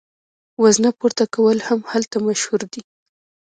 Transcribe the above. وزنه پورته کول هم هلته مشهور دي.